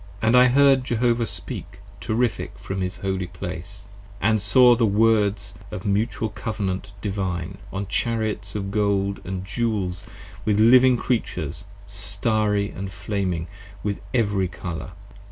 And I heard Jehovah speak Terrific from his Holy Place, & saw the Words of the Mutual Covenant Divine On Chariots of gold & jewels with Living Creatures, starry & flaming With every Colour.